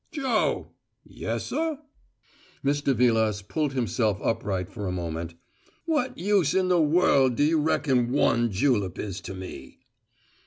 "Joe!" "Yessuh." Mr. Vilas pulled himself upright for a moment. "What use in the world do you reckon one julep is to me?"